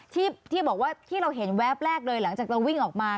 ที่บอกว่าที่เราเห็นแวบแรกเลยหลังจากเราวิ่งออกมา